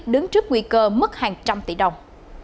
đứng trước nguy cơ mất hàng trăm tỷ đồng